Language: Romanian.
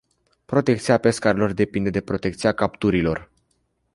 Protecția pescarilor depinde de protecția capturilor.